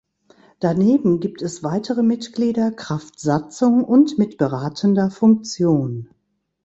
Daneben gibt es weitere Mitglieder kraft Satzung und mit beratender Funktion.